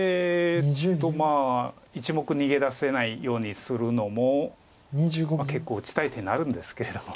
１目逃げ出せないようにするのも結構打ちたい手になるんですけれども。